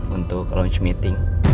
untuk lunch meeting